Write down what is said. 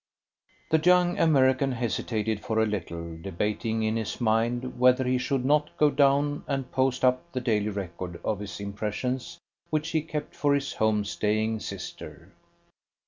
The young American hesitated for a little, debating in his mind whether he should not go down and post up the daily record of his impressions which he kept for his home staying sister.